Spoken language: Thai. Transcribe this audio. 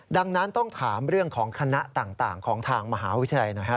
ดังนั้นต้องถามเรื่องของคณะต่างของทางมหาวิทยาลัยหน่อยครับ